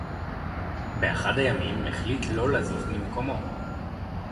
בְּאַחַד הַיָּמִים הֶחְלִיט לֹא לָזוּז מִמְּקוֹמוֹ